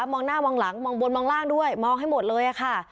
มองหน้ามองหลังมองบนมองล่างด้วยมองให้หมดเลยค่ะ